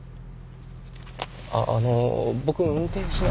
あっあのう僕運転しな。